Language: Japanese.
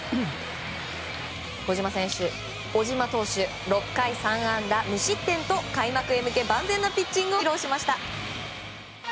小島投手６回３安打無失点と開幕へ向け万全なピッチングを披露しました。